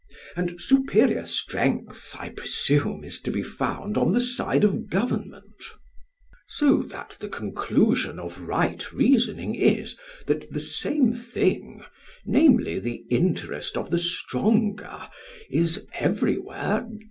And superior strength, I presume, is to be found on the side of government. So that the conclusion of right reasoning is, that the same thing, namely, the interest of the stronger, is everywhere just."